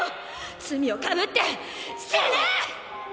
罪を被って死ね！！